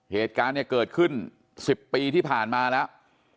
เหตุการณ์เนี่ยเกิดขึ้น๑๐ปีที่ผ่านมาแล้ว